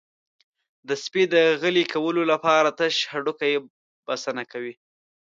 د سپي د غلي کولو لپاره تش هډوکی بسنه کوي.